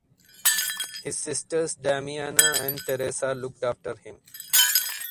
His sisters Damiana and Teresa looked after him.